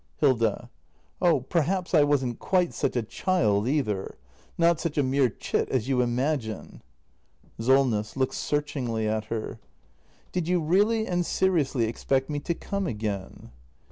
Hilda. ' Oh, perhaps I wasn't quite such a child either. Not such a mere chit as you imagine. SOLNESS. [Looks searchingly at her.] Did you really and seri ously expect me to come again